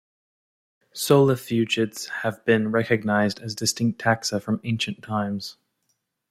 Solifugids have been recognised as distinct taxa from ancient times.